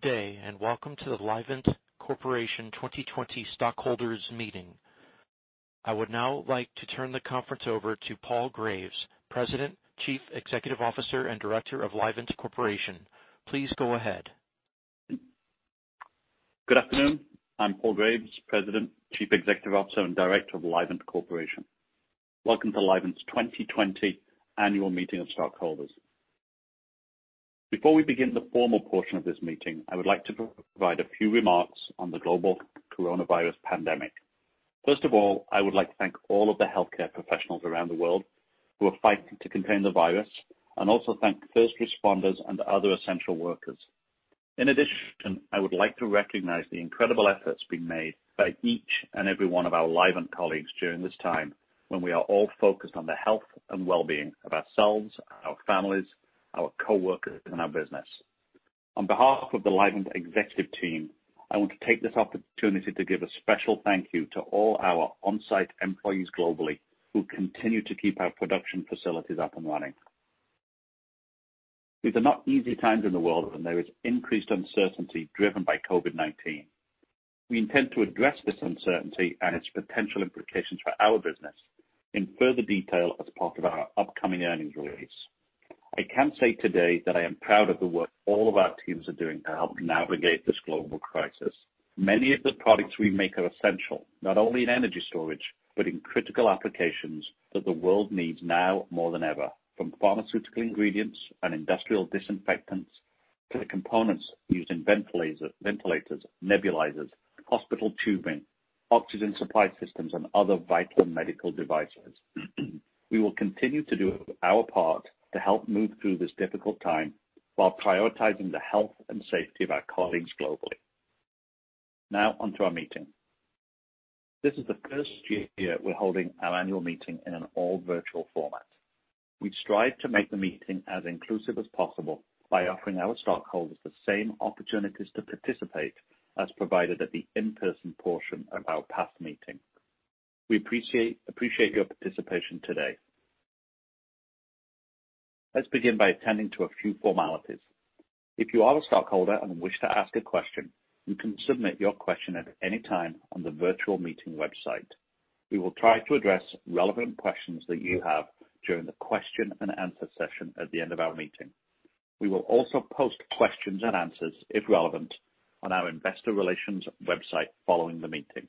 Good day, and welcome to the Livent Corporation 2020 stockholders meeting. I would now like to turn the conference over to Paul Graves, President, Chief Executive Officer, and Director of Livent Corporation. Please go ahead. Good afternoon. I'm Paul Graves, President, Chief Executive Officer, and Director of Livent Corporation. Welcome to Livent's 2020 annual meeting of stockholders. Before we begin the formal portion of this meeting, I would like to provide a few remarks on the global coronavirus pandemic. First of all, I would like to thank all of the healthcare professionals around the world who are fighting to contain the virus, and also thank first responders and other essential workers. In addition, I would like to recognize the incredible efforts being made by each and every one of our Livent colleagues during this time, when we are all focused on the health and wellbeing of ourselves, our families, our coworkers, and our business. On behalf of the Livent executive team, I want to take this opportunity to give a special thank you to all our on-site employees globally who continue to keep our production facilities up and running. These are not easy times in the world and there is increased uncertainty driven by COVID-19. We intend to address this uncertainty and its potential implications for our business in further detail as part of our upcoming earnings release. I can say today that I am proud of the work all of our teams are doing to help navigate this global crisis. Many of the products we make are essential, not only in energy storage, but in critical applications that the world needs now more than ever, from pharmaceutical ingredients and industrial disinfectants to the components used in ventilators, nebulizers, hospital tubing, oxygen supply systems, and other vital medical devices. We will continue to do our part to help move through this difficult time while prioritizing the health and safety of our colleagues globally. Now on to our meeting. This is the first year we're holding our annual meeting in an all virtual format. We strive to make the meeting as inclusive as possible by offering our stockholders the same opportunities to participate as provided at the in-person portion of our past meeting. We appreciate your participation today. Let's begin by attending to a few formalities. If you are a stockholder and wish to ask a question, you can submit your question at any time on the virtual meeting website. We will try to address relevant questions that you have during the question and answer session at the end of our meeting. We will also post questions and answers, if relevant, on our investor relations website following the meeting.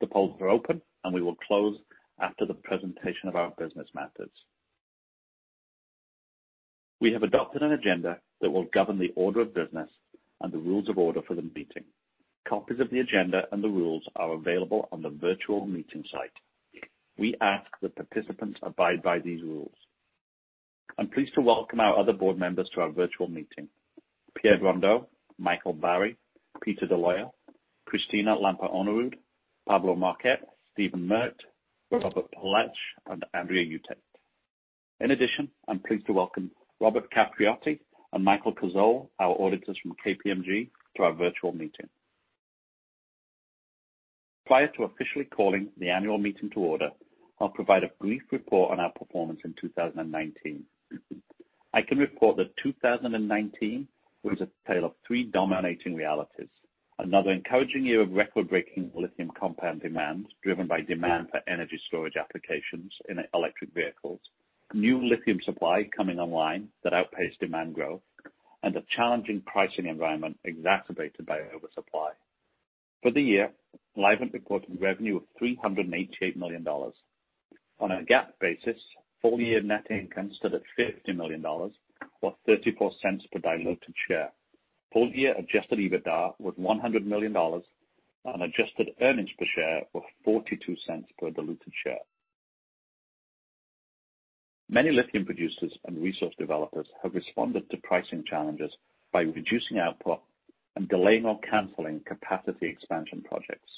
The polls are open, and we will close after the presentation of our business matters. We have adopted an agenda that will govern the order of business and the rules of order for the meeting. Copies of the agenda and the rules are available on the virtual meeting site. We ask that participants abide by these rules. I'm pleased to welcome our other board members to our virtual meeting. Pierre Brondeau, Michael Barry, Peter D'Aloia, Christina Lampe-Önnerud, Pablo Marcet, Steven Merkt, Robert Pallash, and Andrea Utecht. In addition, I'm pleased to welcome Robert Capriotti and Michael Carzo, our auditors from KPMG, to our virtual meeting. Prior to officially calling the annual meeting to order, I'll provide a brief report on our performance in 2019. I can report that 2019 was a tale of three dominating realities. Another encouraging year of record-breaking lithium compound demands driven by demand for energy storage applications in electric vehicles, new lithium supply coming online that outpaced demand growth, and a challenging pricing environment exacerbated by oversupply. For the year, Livent reported revenue of $388 million. On a GAAP basis, full year net income stood at $50 million or $0.34 per diluted share. Full year adjusted EBITDA was $100 million and adjusted earnings per share were $0.42 per diluted share. Many lithium producers and resource developers have responded to pricing challenges by reducing output and delaying or canceling capacity expansion projects.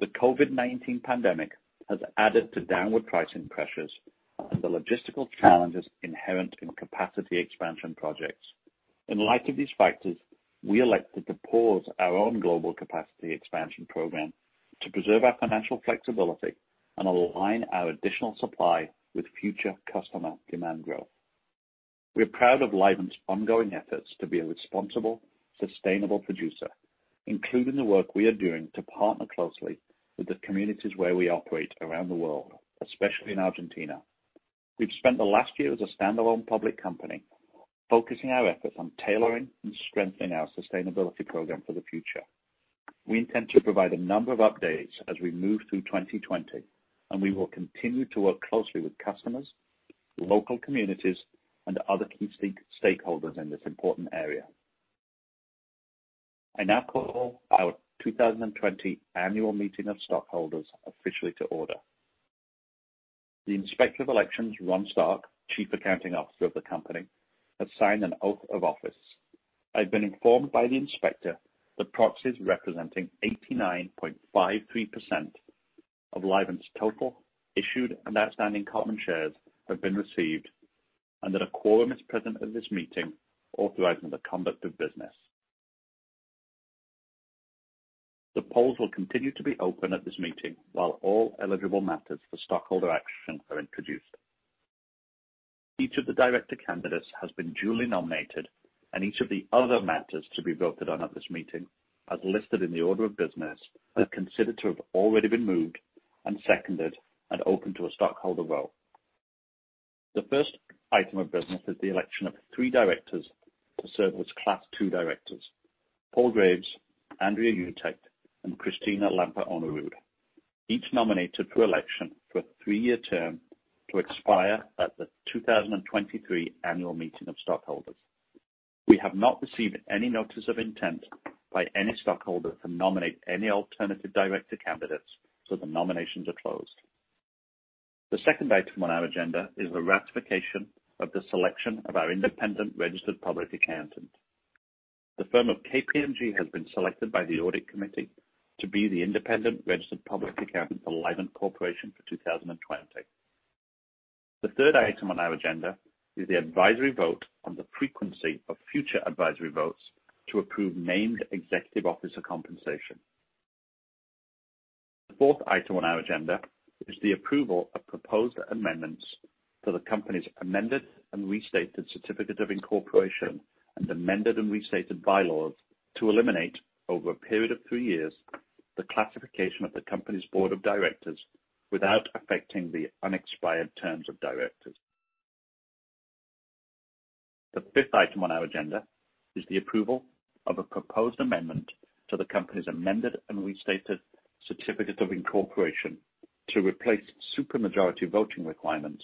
The COVID-19 pandemic has added to downward pricing pressures and the logistical challenges inherent in capacity expansion projects. In light of these factors, we elected to pause our own global capacity expansion program to preserve our financial flexibility and align our additional supply with future customer demand growth. We're proud of Livent's ongoing efforts to be a responsible, sustainable producer, including the work we are doing to partner closely with the communities where we operate around the world, especially in Argentina. We've spent the last year as a standalone public company, focusing our efforts on tailoring and strengthening our sustainability program for the future. We intend to provide a number of updates as we move through 2020, and we will continue to work closely with customers, local communities, and other key stakeholders in this important area. I now call our 2020 annual meeting of stockholders officially to order. The Inspector of Elections, Ron Stark, Chief Accounting Officer of the company, has signed an oath of office. I've been informed by the inspector that proxies representing 89.53% of Livent's total issued and outstanding common shares have been received and that a quorum is present at this meeting authorizing the conduct of business. The polls will continue to be open at this meeting while all eligible matters for stockholder action are introduced. Each of the director candidates has been duly nominated, and each of the other matters to be voted on at this meeting, as listed in the order of business, are considered to have already been moved and seconded and open to a stockholder vote. The first item of business is the election of three directors to serve as Class II directors. Paul Graves, Andrea Utecht, and Christina Lampe-Önnerud, each nominated for election for a three-year term to expire at the 2023 Annual Meeting of Stockholders. We have not received any notice of intent by any stockholder to nominate any alternative director candidates. The nominations are closed. The second item on our agenda is the ratification of the selection of our independent registered public accountant. The firm of KPMG has been selected by the audit committee to be the independent registered public accountant for Livent Corporation for 2020. The third item on our agenda is the advisory vote on the frequency of future advisory votes to approve named executive officer compensation. The fourth item on our agenda is the approval of proposed amendments to the company's amended and restated certificate of incorporation and amended and restated bylaws to eliminate, over a period of three years, the classification of the company's board of directors without affecting the unexpired terms of directors. The fifth item on our agenda is the approval of a proposed amendment to the company's amended and restated certificate of incorporation to replace super majority voting requirements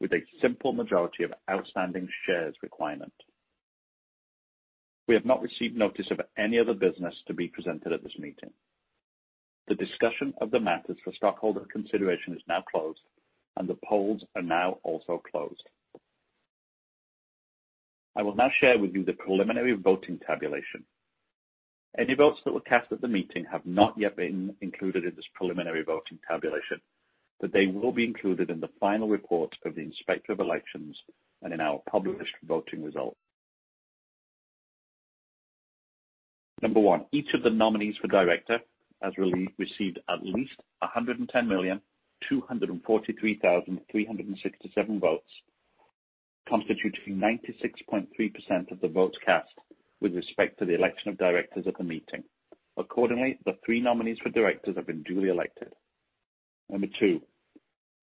with a simple majority of outstanding shares requirement. We have not received notice of any other business to be presented at this meeting. The discussion of the matters for stockholder consideration is now closed, and the polls are now also closed. I will now share with you the preliminary voting tabulation. Any votes that were cast at the meeting have not yet been included in this preliminary voting tabulation, but they will be included in the final report of the Inspector of Elections and in our published voting results. Number one, each of the nominees for director has received at least 110,243,367 votes, constituting 96.3% of the votes cast with respect to the election of directors at the meeting. Accordingly, the three nominees for directors have been duly elected. Number two,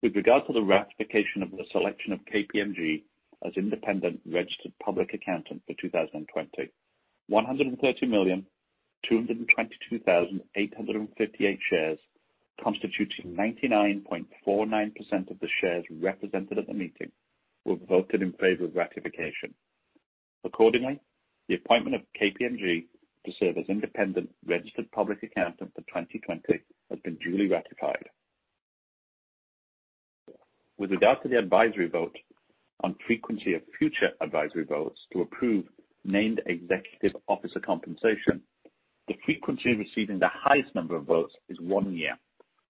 with regard to the ratification of the selection of KPMG as independent registered public accountant for 2020, 130,222,858 shares, constituting 99.49% of the shares represented at the meeting, were voted in favor of ratification. Accordingly, the appointment of KPMG to serve as independent registered public accountant for 2020 has been duly ratified. With regard to the advisory vote on frequency of future advisory votes to approve named executive officer compensation, the frequency receiving the highest number of votes is one year,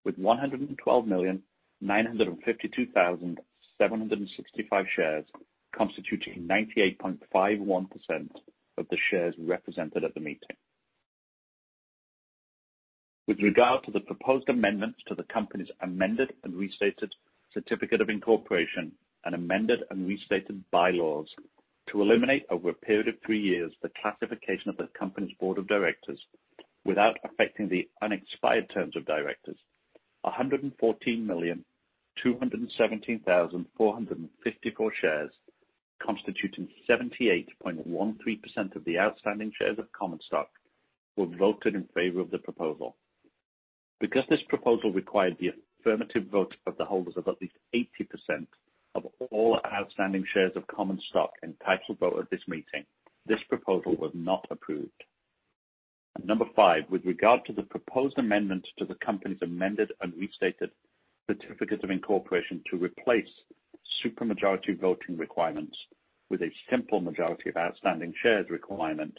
with 112,952,765 shares, constituting 98.51% of the shares represented at the meeting. With regard to the proposed amendments to the company's amended and restated certificate of incorporation and amended and restated bylaws to eliminate, over a period of three years, the classification of the company's board of directors without affecting the unexpired terms of directors, 114,217,454 shares, constituting 78.13% of the outstanding shares of common stock, were voted in favor of the proposal. This proposal required the affirmative vote of the holders of at least 80% of all outstanding shares of common stock entitled to vote at this meeting, this proposal was not approved. Number 5, with regard to the proposed amendment to the company's amended and restated certificate of incorporation to replace super majority voting requirements with a simple majority of outstanding shares requirement,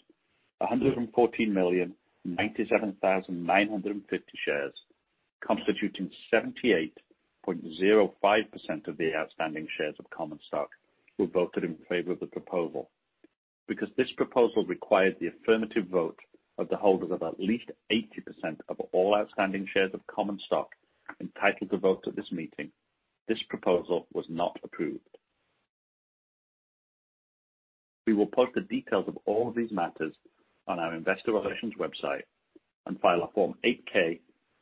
114,097,950 shares, constituting 78.05% of the outstanding shares of common stock, were voted in favor of the proposal. Because this proposal required the affirmative vote of the holders of at least 80% of all outstanding shares of common stock entitled to vote at this meeting, this proposal was not approved. We will post the details of all these matters on our investor relations website and file a Form 8-K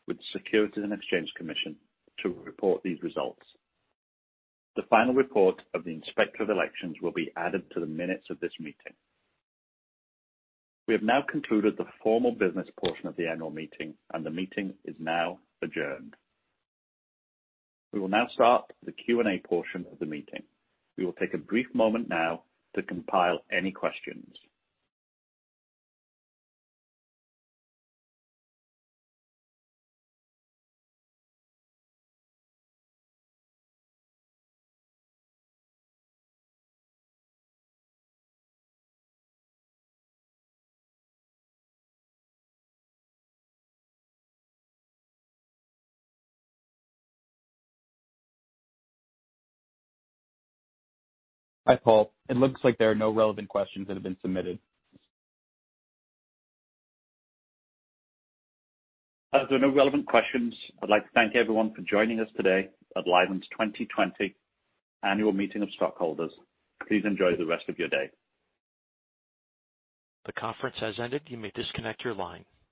with the Securities and Exchange Commission to report these results. The final report of the Inspector of Elections will be added to the minutes of this meeting. We have now concluded the formal business portion of the annual meeting and the meeting is now adjourned. We will now start the Q&A portion of the meeting. We will take a brief moment now to compile any questions. Hi, Paul. It looks like there are no relevant questions that have been submitted. As there are no relevant questions, I'd like to thank everyone for joining us today at Livent's 2020 Annual Meeting of Stockholders. Please enjoy the rest of your day. The conference has ended. You may disconnect your line.